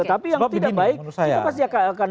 tetapi yang tidak baik kita pasti akan memperdayakan